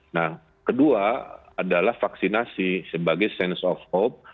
nah kedua adalah vaksinasi sebagai sense of hope